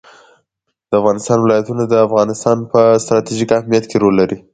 د افغانستان ولايتونه د افغانستان په ستراتیژیک اهمیت کې رول لري.